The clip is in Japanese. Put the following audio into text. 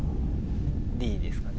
Ｄですかね。